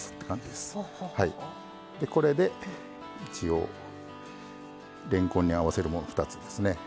でこれで一応れんこんに合わせるもの２つですね